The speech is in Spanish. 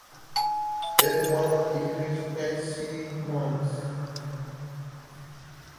Edward Idris Cassidy, Mons.